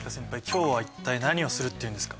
今日は一体何をするっていうんですか？